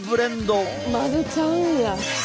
混ぜちゃうんや！